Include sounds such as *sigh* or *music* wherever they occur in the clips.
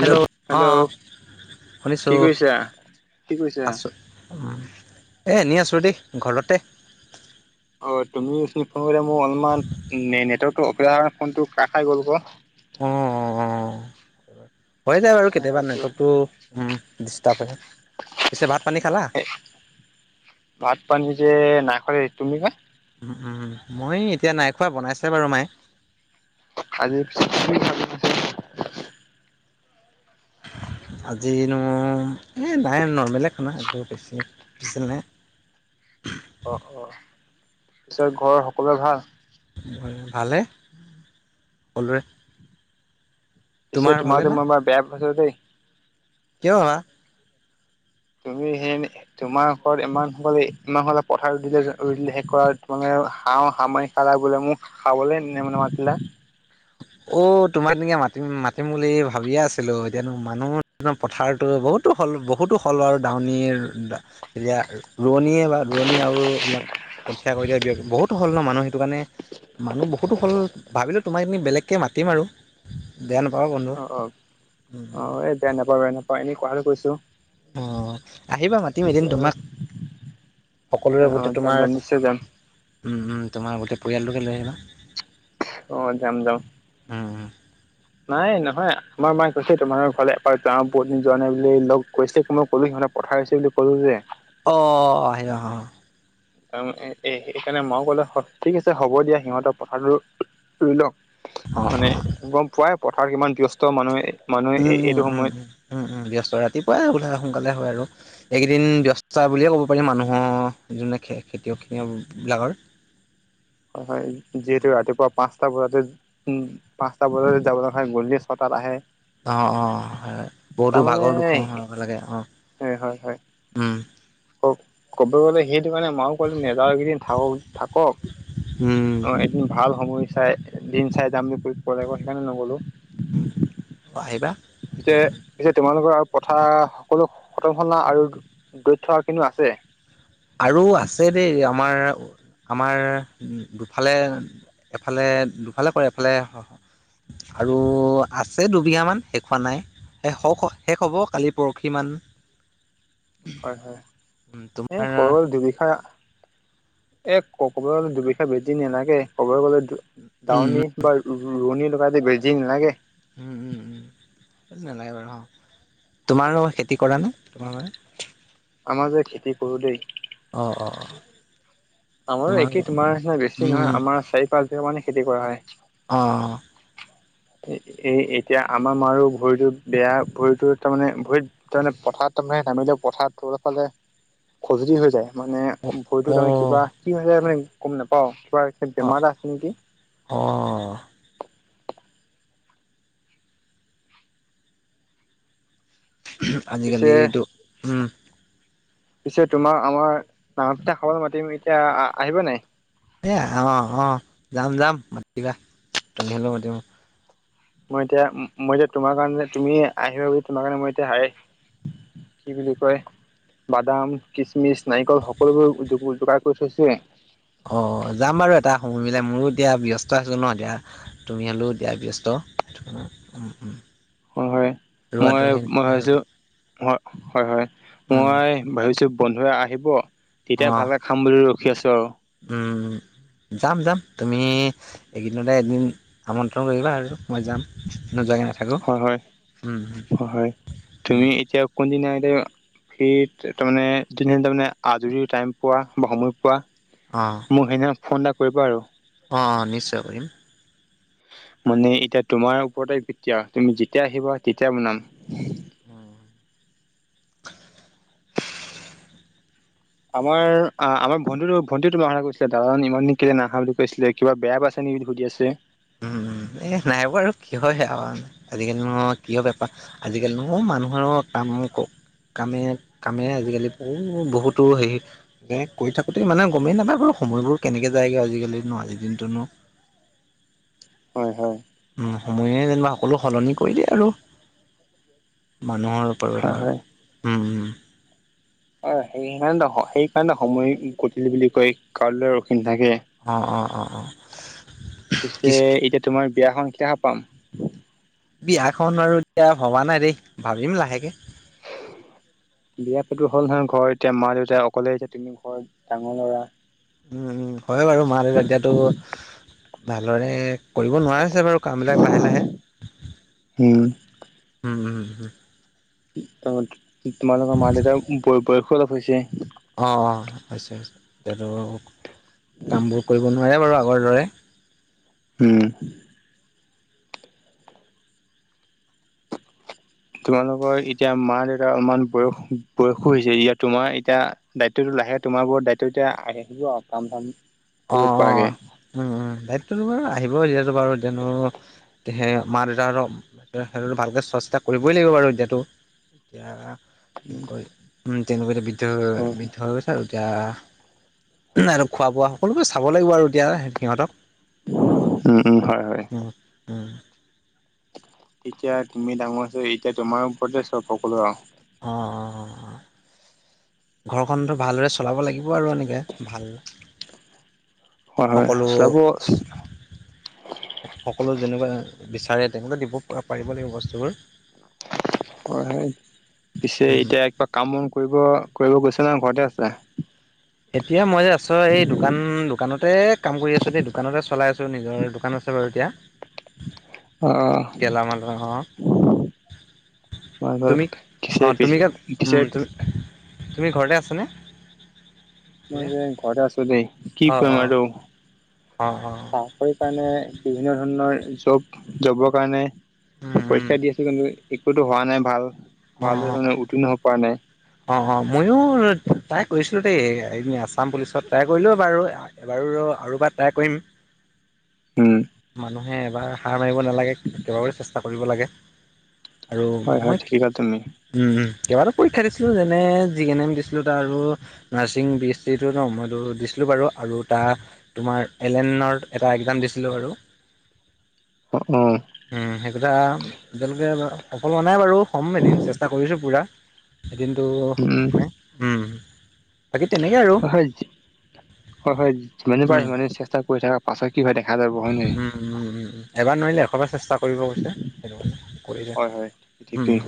Hello অ কি শুনিছোঁ কৰিছা? কি কৰিছা? আছোঁ উম এই এনেই আছোঁ দেই ঘৰতে অ তুমি ওঠনি ফোন কৰোঁতে মোৰ অলমান নেটৱৰ্কটো অসুবিধা কাৰণে ফোনটো কাট খাই গ'ল ক অ অ অ হৈ যায় বাৰু সেইকাৰণে কেতিয়াবা ভাবিছোঁ নেটৱৰ্কটো ডিষ্টাৰ্ব হয়, পিছে ভাত পানী খালা ভাত পানী যে নাই খোৱা দে তুমি কা উম উম মই এতিয়া নাই খোৱা বনাইছে বাৰু মায়ে আজি পিছে কি খাবি আজিনো এই নাই নৰ্মেলে খানা একবোৰ বেছি পিচে নাই অ অ পিছত ঘৰৰ সকলোৱে ভাল ভালে সকলোৰে পিছে তোমাৰ তোমোক ভালে যে মই এবাৰ বেয়া পাইছোঁ দেই কি বা তুমি সেই তোমাৰ ঘৰত ইমান সকলে ইমানসকলে পথাৰ ৰুই দিলে যে ৰুই দিলে শেষ কৰা আৰু তোমালোকে হাহ হা মাৰি খালা বোলে মোক খাবলে নে নামাতিলা অ তোমাক এনেকে মাতিম মাতিম বুলি ভাবিয়ে আছিলো এতিয়ানো মানুহ পথাৰটো বহুতো হল বহুতো হ'ল আৰু ডউনীৰ এতিয়া ৰোৱনীয়ে বা ৰোৱনী আৰু এইবিলাক কঠিয়া কৰি দিয়া বহুতো হল ন মানুহ সেইটো কাৰণে মানুহ বহুতো হল ভাবিলে তোমাক এদিন বেলেগকে মাতিম আৰু বেয়া নাপাওঁ বন্ধু অ অ অ এই বেয়া নাপাও ৰে নাপাও এনেই কথাটো কৈছো অ আহিবা মাতিম এদিন তোমাক অ সকলোৰে অ বুতে যাম তোমাৰ যাম নিশ্চয় যাম। উম উম তোমাৰ গোটেই পৰিয়ালটোকে লৈ আহিবা অ যাম যাম উম উম নাই নহয় আমাৰ মায়ে কৈছে তোমাৰ ঘৰলে এপাক যাওঁ বহুত দিন যোৱা নাই বুলি লগ কৈছে মই কলো সিহঁতক পথাৰ ৰুইছে বুলি ক'লো যে অ আহি অ অ অ এ এ সেইকাৰণে মাও কলে ঠিক আছে হ'ব দিয়া সিহঁতৰ পথাৰটোৰ ৰুই লওক অ' মানে অ' গম পোৱাই পথাৰ কিমান ব্যস্ত মানুহে মানুহে উম এই উম এইটো উম উম সময়ত উম উম ব্যস্ত ৰাতিপুৱাই ওলাই সোনকালে হয় আৰু এইকেইদিন ব্যস্তা বুলিয়ে ক'ব পাৰি মানুহৰ যোনে খে খেতিয়ক খিনিয় বিলাকৰ অ হয় যিহেতু ৰাতিপুৱা পাঁচটা বজাতে উম পাঁচটা বজাতে যাব লগা হয় গধূলি ছটাত আহে অ অ হয় বহুতো তাৰমানে ভাগৰ দুখৰ হয় লাগে অ হয় হয় হয় উম ক'ব গলে সেইটো কাৰণে মাও কলে নেযাওঁ এইকেইদিন থাওক‌ থাকক উম অ ভাল সময় চাই দিন চাই যাম বুলি কলে ক সেইকাণে নগলো উম অ আহিবা পিছে পিছে তোমালোকৰ আৰু পথাৰ সকলো খতম হ'ল না আৰু দৰিত থকা খিনি আছে আৰু আছে দেই আমাৰ আমাৰ দুফালে এফালে দুফালে কৰে এফালে আৰু আছে দুবিঘামান শেষ হোৱা নাই শ শেষ হ'ব কালি পৰখি মান হয় হয় এ তোমাৰ কৰ দুবিঘা এ ক কব গ'লে দুবিঘা বেছিদিন নেলাগে ক'বলৈ গ'লে উম দাৱনী বা ৰুৱনি লগাই যে বেছি দিন নালাগে ওম উম সেইটো নালাগে বাৰু হ তোমাৰ খেতি কৰা ন তোমাৰ বাবে আমাৰ যে খেতি কৰো দেই অঁ অ অ আমাৰো একেই তোমাৰ নিচিনা বেছি নহয় উম আমাৰ চাৰি পাঁচ বিঘা মানে খেতি কৰা হয় অঁ এই এতিয়া আমাৰ মাৰো ভৰিটো বেয়া ভৰিটো তাৰমানে ভৰিত তাৰ মানে পথাৰত তাৰ মানে নামিলে পথাৰ তলৰফালে খজুতি হৈ যায় মানে অ অ ভৰিটোত আমি কিবা কি হৈ যায় মানে গম নাপাওঁ কিবা বেমাৰ অ এটা আছে নেকি অ পিছে আজিকালিতো উম পিছে তোমাৰ আমাৰ নাঙল পিঠা খাবলে মাতিম এতিয়া আহিবা নাই এই অঁ অঁ যাম যাম মাতিবা তুমি হ'লেও মাতিবা মই এতিয়া মই এতিয়া তোমাৰ কাৰণে তুমি আহিবা বুলি তোমাৰ কাৰণে মই এতিয়া হ কি বুলি কয় বাদাম কিচমিচ নাৰিকল সকলোবোৰ যোগাৰ কৰি থৈছোয়ে অ যাম বাৰু এটা সময় মিলাই মোৰো এতিয়া ব্যস্ত আছো ন এতিয়া তুমি হলেও দিয়া ব্যস্ত সেইটো কাৰণে উম উম হয় হয় ৰোৱাটো মই সেই মই ভাবিছো হয় হয় উম মই ভাবিছোঁ বন্ধুৱে আহিব অ তেতিয়া ভালকে খাম বুলি ৰখি আছো আৰু যাম যাম তুমি এইকেইদিনতে এদিন আমন্ত্ৰণ কৰিবা আৰু মই যাম নুযোৱাকে হয় হয় হয় হয় উম উম তুমি এতিয়া কোনদিনা ঠিক ত-তাৰমানে যেতিয়া তাৰমানে আজৰি টাইম পোৱা বা সময় পোৱা অ মোক সেইদিনা ফোন এটা কৰিবা আৰু। অ অ নিশ্চয় কৰিম। মানে এতিয়া তোমাৰ ওপৰতে কেতিয়া তুমি যেতিয়া আহিবা তেতিয়া বনাম। উম, আমাৰ আ আমাৰ ভন্টিটো ভন্টি তোমাৰ কথা কৈছিলে দাদাজন ইমান দিন কেইলে নাহা বুলি কৈছিলে। কিবা বেয়া পাইছে নেকি সুধি আছে। উম, উম এহ নাই পোৱা আৰু কিহৰ বেয়া পাম। আজিকালি মই কিয় বেয়া পা আজিকালি নোঁ মানুহৰ কাম কওক কামেহে, কামে আজিকালি বহু বহুতো হেৰিত কে কৰি থাকোতে মানে গমেই নাপায় বোলো সময়বোৰ কেনেকে যায়গৈ আজিকালি নো, আজিৰ দিনটো নো হয়, হয়। উম সময়ে যেনিবা সকলো সলনি কৰি দিয়ে আৰু মানুহৰ কৰি হয় লৈয় হয় নোৱাৰে। অ সেইকাৰণে ন স সেইকাৰণে ন সময় গতিশীল বুলি কয়, কাৰোলৈ ৰখি নাথাকে। অ', অ', অ', অ', কি পিছে এতিয়া তোমাৰ বিয়াখন কেতিয়া খাব পাম? বিয়াখন আৰু এতিয়া ভবা নাই দেই! ভাবিম লাহেকে। বিয়া পাতিব হ'ল নহয় ঘৰত এতিয়া মা, দেউতা অকলে এতিয়া তুমি ঘৰৰ ডাঙৰ ল'ৰা। উম, উম হয় বাৰু মা, দেউতা এতিয়াতো ভালদৰে কৰিব নোৱাৰিছে বাৰু কামবিলাক লাহে লাহে। উম। *unintelligible* তহঁত তোমালোকৰ মা, দেউতাৰ উম বয়-বয়সো অলপ হৈছে। অ, অ হৈছে হৈছে এতিয়াতো কামবোৰ কৰিব নোৱাৰে বাৰু আগৰ দৰে। উম। তোমালোকৰ এতিয়া মা, দেউতাৰ অলপমান বয়স বয়সো হৈছে। ইয়াত তোমাৰ এতিয়া দায়িত্বটো লাহে তোমাৰ ওপৰত দায়িত্ব এতিয়া আহে থাকিব আও কাম থাম অ, অ উম, উম দায়িত্বতো বাৰু আহিবই এতিয়াতো বাৰু এতিয়ানো তেহে মা, দেউতাহঁতক সে সেইটো তো ভালকে চোৱা চিতা কৰিবই লাগিব বাৰু এতিয়াতো। এতিয়া কি কয়? উম তেনেকুৱা এতিয়া বৃদ্ধ হৈ উম বৃদ্ধ হৈ গৈছে আৰু এতিয়া আৰু খোৱা বোৱা অলপ দেই চাব লাগিব আৰু এতিয়া সিহঁতক। উম, উম, হয়, হয়। উম, উম। এতিয়া তুমি ডাঙৰ আছা, এতিয়া তোমাৰ ওপৰতে চব সকলো আও। অ অ ঘৰখনতো ভালদৰে চ- চলাব লাগিব আৰু এনেকে ভাল হয় হয় সকলো চলাব সকলোৱে যেনেকুৱা বিচাৰে তেনেকুৱা দিব পা-পাৰিব লাগিব বস্তুবোৰ। ক সেই পিছে উম এতিয়া কিবা কাম বন কৰিব, কৰিব গৈছা না ঘৰতে আছা? এতিয়া মই এই ওচৰৰ এই দোকান দোকানতে কাম কৰি আছো দেই দোকানতে চলাই আছো, নিজৰ দোকান আছে বাৰু এতিয়া। *inaudible* অহ গেলামাল দোকান। অ অহ সোমাই গ'ল তুমি অ খিছে খিছে পিছ তুমি ক উম পিছেত তুমি তুমি ঘৰতে আছানে? মই এতিয়া যে ঘৰতে আছো দেই। কি অ কৰিম অ। আৰু অ অ। চাকৰি কাৰণে বিভিন্ন ধৰণৰ জব জবৰ কাৰণে উম উম পৰীক্ষা দি আছো কিন্তু একোতো হোৱা নাই ভাল অ অ ভালেদৰে তাৰমানে উত্তীৰ্ণ হ'ব পৰা নাই। অ অ ময়ো ট্ৰাই কৰিছিলোঁ দেই এ আছাম পুলিচত ট্ৰাই কৰিলোঁ বাৰু। এবাৰো আৰু এবাৰ ট্ৰাই কৰিম। হম। মানুহে এবাৰ সাৰ মাৰিব নালাগে কেবাবাৰো চেষ্টা কৰিব লাগে। আৰু হয় হয় মই উম, ঠিকেই ক'লা তুমি উম। কেইবাটাও পৰীক্ষা দিছিলো। যেনে জি এন এম দিছিলো তাৰ আৰু নাৰ্ছিং বি এচ চিটো ন মইতো দিছিলো বাৰু আৰু এটা তোমাৰ এলেনৰ এটা একজাম দিছিলোঁ বাৰু। অ অ। উম সেই কথা এতিয়ালৈকে বাৰু সফল হোৱা নাই বাৰু হ'ম এদিন চেষ্টা কৰিছো পুৰা। এদিনটো উম হমে। উম। বাকী তেনেকে আৰু হয়জ হয় হয় হয় যিমানেই পাৰে উম, সিমানেই চেষ্টা কৰি থাকা পাছত কি হয় দেখা যাব। হয় নে নহয়? উম-উম-উম-উম এবাৰ নোৱাৰিলে এশবাৰ চেষ্টা কৰিব কৈছে। সেইটো কাৰণে কৰি ঠেকেই।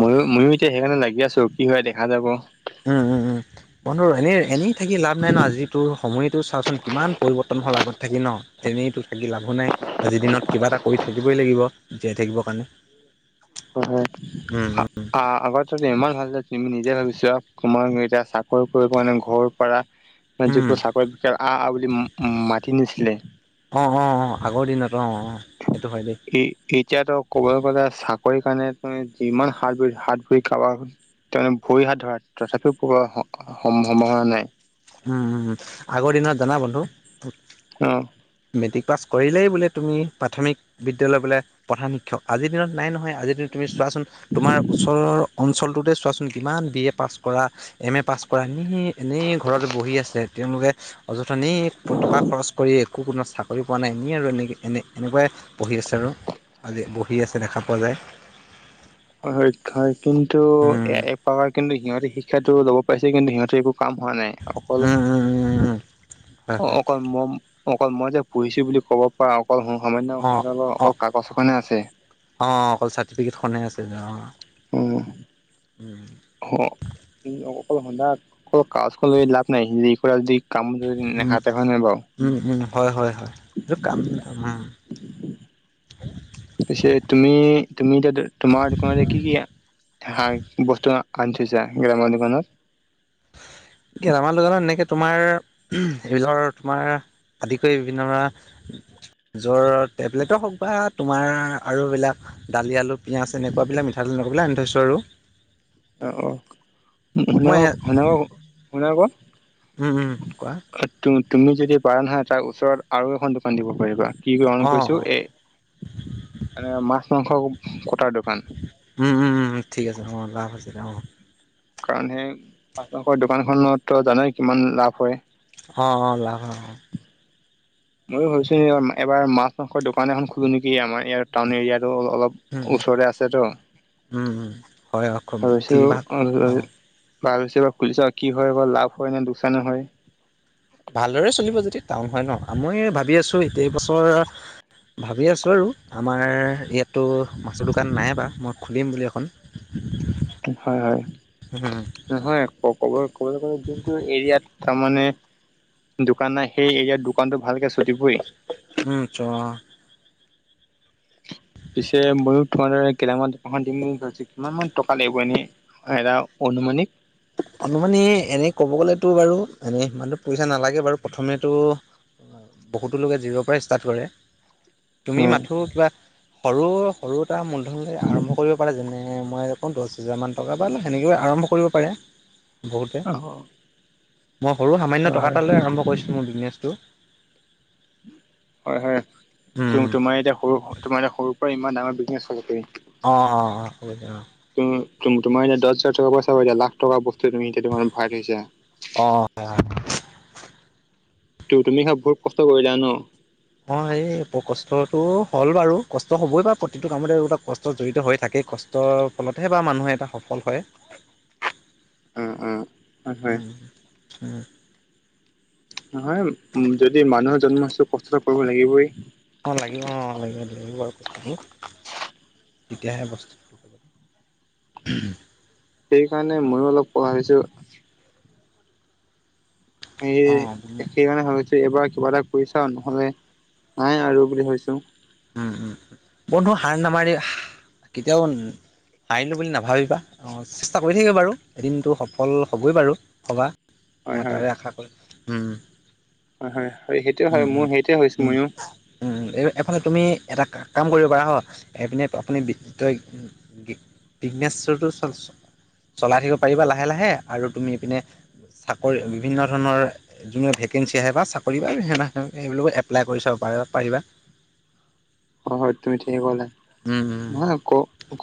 ময়ো ময়ো এতিয়া সেইকাৰণে লাগি আছো কি হয় দেখা যাব। উম উম উম। বন্ধু এনেই এনেই থাকি লাভ নাই ন, আজিটোৰ সময়টো চাওঁচোন কিমান পৰিৱৰ্তন হ'ল আগত থাকি ন? এনেইতো থাকি লাভো নাই। আজিৰ দিনত কিবা এটা কৰি থাকিবই লাগিব জীয়াই থাকিবৰ কাৰণে। হয় হয় উম উম আ-আগত ইমান ভাল তুমি নিজে ভাবি চোৱা, তোমাৰ এতিয়া চাকৰি কৰি মানে ঘৰ পৰা উম যিবোৰ চাকৰি বিষ আ আ বুলি মাতি নিছিলে অ অ অ আগৰ দিনত অ অ সেইটো হয় দেই। এতিয়াতো ক'বলৈ গ'লে চাকৰি কাৰণে তুমি যিমান হাত ভৰি হাত ভৰি কাৰবাৰ ভৰি হাত ধৰা তথাপিও পোৱা সম-সম্ভাৱনা নাই। উম উম আগৰ দিনত জানা বন্ধু? *unintelligible* অ। মেট্ৰিক পাছ কৰিলেই বোলে তুমি প্ৰাথমিক বিদ্যালয় বোলে প্ৰধান শিক্ষক। আজিৰ দিনত নাই নহয় আজি তুমি চোৱাচোন তোমাৰ ওচৰৰ অঞ্চলটোতে চোৱাচোন কিমান বি এ পাছ কৰা, এম এ পাছ কৰা কৰা এনে এনেই ঘৰত বহি আছে, তেওঁলোকে অযথা এনেই টকা খৰচ কৰি একো কোনো চাকৰি পোৱা নাই, এনেই আৰু এনেকৈ এনে এনেকুৱাই পঢ়ি আছে আৰু। আজি বহি আছে দেখা পোৱা যায়। হয় হয় হয় কিন্তু উম এ হয় কিন্তু সিহঁতে শিক্ষাটো ল'ব পাইছে, কিন্তু সিহঁতে একো কাম হোৱা নাই। অকল উম উম উম উম অ হয় হয় অকল মম অকল মই যে পঢ়িছো বুলি ক'ব পৰা অকল সামান্য অ অ অকল কাগজ এখনেহে আছে। অ অকল চাৰ্টিফিকেট খনেই আছে যে অ। উম। উম। অ অকল সদা অকল কাজখন লৈ লাভ নাই, কৰা যদি কামত যদি উম নেখাতে হয় নে নহয় বাৰু? উম উম হয়-হয়-হয় কাম পিছে তুমি তুমি তোমাৰ দোকানতে কি কি হা বস্তু আনি থৈছা গেলামাল দোকানত? গেলামাল দোকানত এনেকে তোমাৰ, উম ধৰ তোমাৰ আদি কৰি বিভিন্ন ধৰা জ্বৰৰ টেবলেট হওক বা তোমাৰ আৰু এইবিলাক দালি আলু পিয়াজ এনেকুৱা বিলাক মিঠাতেল *unintelligible* আনি থৈছোঁ আৰু। মই অ *unintelligible* উম উম কোৱা। তু-তুমি যদি পাৰা নহয় তাৰ ওচৰত আৰু এখন দোকান দিব পাৰিবা। কি গ্ৰহণ অ', কৰিছো, অ'। এ মাছ-মাংস কটাৰ দোকান। উম-উম-উম-উম ঠিক আছে অ লাভ আছিল অ। কাৰণ সেই মাছ-মাংসৰ দোকানখনতো জানেই কিমান লাভ হয়। অ অ লাভ হয় অ'। মইয়ো ভাবিছো এবাৰ মাছ-মাংসৰ দোকান এখন খোলো নেকি আমাৰ ইয়াত টাউন এৰিয়াতো উম, উম, অলপ ওচৰতে আছেতো উম, উম হয় অ ভাবিছো ঠিক ভাল অ ভাল হৈছে এইবাৰ খুলিছা কি হয়াৰ লাভ হয় নে দোকচানে হয় ভালদৰে চলিব যেতিয়া টাউন হয় ন, আ, মই ভাবি আছোঁ এট এইবছৰ ভাবি আছোঁ আৰু আমাৰ ইয়াততো মাছৰ দোকান নাই বা মই খুলিম বুলি এখন। হয়-হয়। উম, হয় আক কব-ক'বলৈ গ'লে যোনটো এৰিয়াত তাৰ মানে দোকান নাই সেই এৰিয়াত দু দুকানতো ভালকে ছুটিবই। উম, চোৱা পিছে ময়ো তোমাৰ দৰে গেলামাল দোকান এখন দিম বুলি ভাবিছো কিমান মান টকা লাগিব এনেই। এৰা অনুমানিক অনুমানি এনেই ক'ব গ'লেতো বাৰু এনেই সিমানটো পইচা নালাগে বাৰু প্ৰথমেতো বহুতো লোকে জিৰৰ পৰাই ষ্টাৰ্ট কৰে। তুমি উম মাথো কিবা সৰু-সৰু এটা মূলধন আৰম্ভ কৰিব পাৰা, যেনে মই অ', দশ হেজাৰমান টকা বা সেনেকৈয়ো আৰম্ভ কৰিব পাৰে, বহুতে। হয় মই সৰু সামান্য টকা এটালৈ আৰম্ভ কৰিছোঁ মোৰ বিজনেছটো। হয়-হয়, তো-তোমাৰ এতিয়া সৰু তোমাৰ এয়া সৰুৰ পৰা ইমান ডাঙৰ বিজনেছ *unintelligible* অ', অ', অ', হব দিয়া অ'। তো তোম-তোমাৰ এতিয়া দশ হাজাৰ টকাৰ পৰা চাবা এতিয়া লাখ টকা বস্তু তুমি এতিয়া দোকানত ভৰাই থৈছা। অ', হয়। ত তুমি *inaudible* বহুত কষ্ট কৰিলা ন। অ', এই কষ্টটো হ'ল বাৰু কষ্ট হ'বই বাৰু প্ৰতিটো কামতে এই বিলাক কষ্ট জড়িত হৈ থাকেই, কষ্ট টৰ ফলতহে বা মানুহ এটা সফল হয়। অ', অ'। ওম ওম নহয় যদি মানুহ হৈ জন্ম হৈছো কষ্টতো কৰিব লাগিবই। অ', লাগিব অ', লাগিব-লাগিব আৰু কষ্টতো। তেতিয়াহে বস্তু *unintelligible* সেইকাৰণে ময়ো অলপ পঢ়া হৈছো। সে অ উম একে মানে ভাবিছো এইবাৰ কিবা এটা কৰিছাও, নহলে নাই আৰু বুলি ভাবিছোং। উম, উম, বন্ধু হাৰ নামাৰি *inaudible* কেতিয়াও সাৰিলো বুলি নাভাবিবা। অ', চেষ্টা কৰি থাকিবা বাৰু, এদিনটো সফল হ'বই বাৰু হবা। হয় মই তাৰে আশা কৰিম, উম। হয়-হয়-হয়, সেইটোৱে উম হয় উম মোৰ সেইটোৱে হৈছো উম ময়ো উম, এই-এফালে তুমি এটা কাম কৰিব পাৰা হ। এইপিনে আপুনি বি তই *unintelligible* চলাই থাকিব পাৰিবা লাহে-লাহে, আৰু তুমি এপিনে চাকৰি বিভিন্ন ধৰণৰ- যোনে ভেকেঞ্চি আহে বা চাকৰি বা *unintelligible* সেইবিলাকত এপ্লাই কৰি চাব পাৰি-পাৰিবা। হয় হয় তুমি ঠিকে ক'লা উম উম। নহয় ক ক